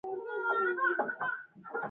هلک د خپلې ټولنې خدمتګار دی.